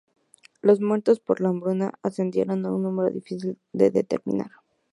Los muertos por la hambruna ascendieron a un número difícil de determinar.